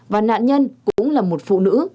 và nạn nhân cũng là một phụ nữ